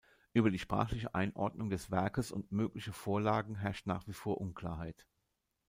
Über die sprachliche Einordnung des Werkes und mögliche Vorlagen herrscht nach wie vor Unklarheit.